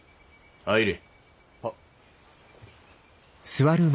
入れ。